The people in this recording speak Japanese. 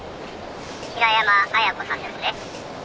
「平山亜矢子さんですね？」